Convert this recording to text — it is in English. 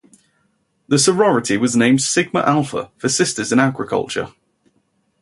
The sorority was named Sigma Alpha for Sisters in Agriculture.